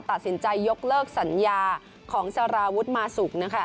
ตัดสินใจยกเลิกสัญญาของสารวุฒิมาสุกนะคะ